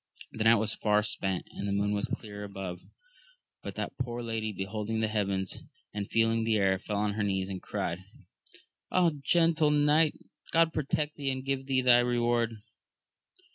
The night was far spent, and the moon was clear above ; but that poor lady beholding the heavens, and feeling the air, feU on her knees, and cried. Ah, gentle knight, God protect thee and give thee thy reward